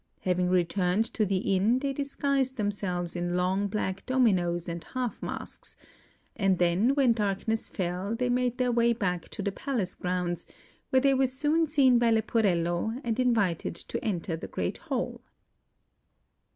Having returned to the inn, they disguised themselves in long black dominoes and half masks; and then when darkness fell they made their way back to the palace grounds, where they were soon seen by Leporello and invited to enter the great hall.